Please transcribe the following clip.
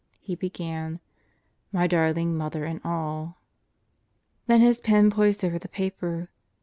He began: "My Darling Mother and all." Then his pen poised over the paper.